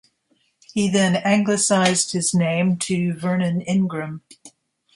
He then Anglicised his name to Vernon Ingram.